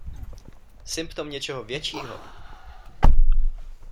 Symptom něčeho většího!